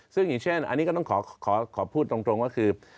ซึ่งอย่างเช่นอันนี้ก็ต้องขอพูดตรงก็คือ